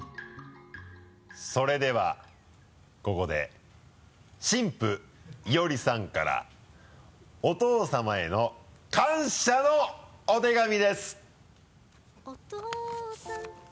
それではここで新婦以織さんからお父さまへの感謝のお手紙です。